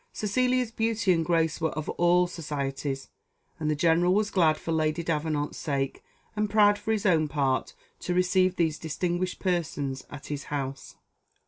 Cecilia's beauty and grace were of all societies, and the general was glad for Lady Davenant's sake and proud for his own part, to receive these distinguished persons at his house.